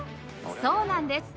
そうなんです